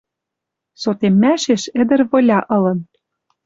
Сотеммӓшеш ӹдӹр выля ылын —